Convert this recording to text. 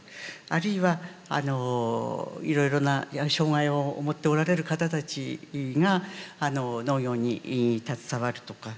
あるいはいろいろな障がいを持っておられる方たちが農業に携わるとか。